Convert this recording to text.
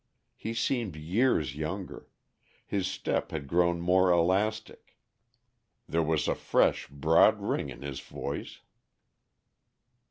He seemed years younger, his step had grown more elastic; there was a fresh, broad ring in his voice.